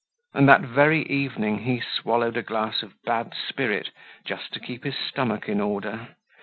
And that very evening he swallowed a glass of bad spirit, just to keep his stomach in order.